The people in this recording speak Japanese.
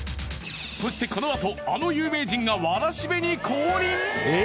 そしてこのあとあの有名人がわらしべに降臨！？